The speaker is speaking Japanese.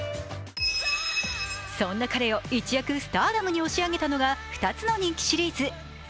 そんな彼を、一躍スターダムに押し上げたのが２つの人気シリーズ。